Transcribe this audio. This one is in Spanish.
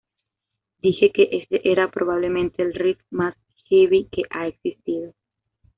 Dije que ese era probablemente el riff más "heavy" que ha existido.